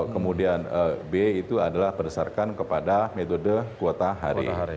kemudian b itu adalah berdasarkan kepada metode kuota hari